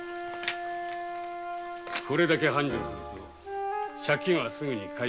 これだけ繁盛すると借金はすぐに返せそうだな。